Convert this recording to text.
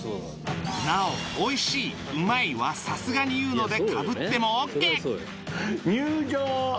なお「美味しい」「うまい」はさすがに言うのでかぶってもオッケー入場！